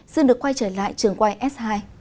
xin được quay trở lại trường quay s hai